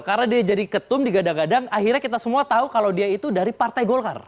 karena dia jadi ketum di gadang gadang akhirnya kita semua tahu kalau dia itu dari partai golkar